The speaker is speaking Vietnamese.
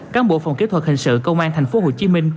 các bộ phòng kỹ thuật hành sự công an tp hcm